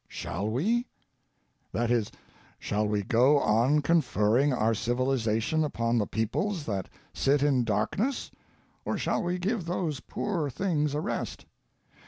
Shall we ? That is, shall we go on conferring our Civilization upon the peoples that sit in darkness, or shall we give those poor things a rest?